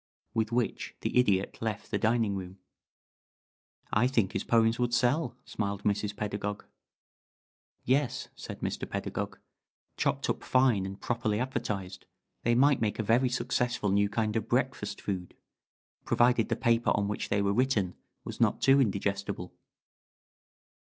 With which the Idiot left the dining room. "I think his poems would sell," smiled Mrs. Pedagog. "Yes," said Mr. Pedagog. "Chopped up fine and properly advertised, they might make a very successful new kind of breakfast food provided the paper on which they were written was not too indigestible."